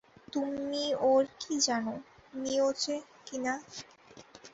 তুমি ওর কি জানো, নিয়োচে কি না।